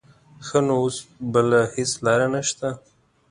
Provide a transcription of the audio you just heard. ښه نو اوس بله هېڅ لاره نه شته.